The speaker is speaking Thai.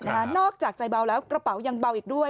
นั่นแหละนะฮะนอกจากใจเบาแล้วกระเป๋ายังเบาอีกด้วย